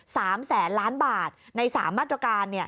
๓แสนล้านบาทใน๓มาตรการ